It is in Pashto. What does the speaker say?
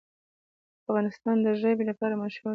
افغانستان د ژبې لپاره مشهور دی.